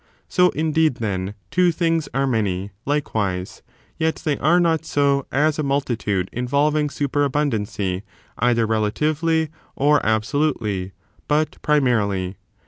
So, indeed, then, two things are many, likewise ; yet they are not so as a mul titude involving superabundancy either relatively or absolutely, but primarily.